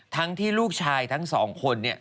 ทั้งที่ลูกชายทั้งสองคน